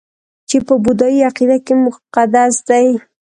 چې په بودايي عقیده کې مقدس دي